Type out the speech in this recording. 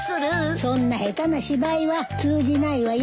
そんな下手な芝居は通じないわよ。